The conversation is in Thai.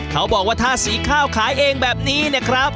เขาบอกว่าถ้าสีข้าวขายเองแบบนี้เนี่ยครับ